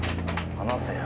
離せよ。